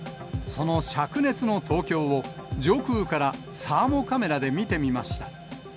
そのしゃく熱の東京を、上空からサーモカメラで見てみました。